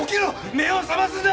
目を覚ますんだ！